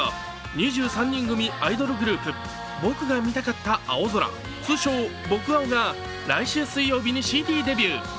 ２３人組アイドルグループ、僕が見たかった青空、通称・僕青が来週水曜日にＣＤデビュー。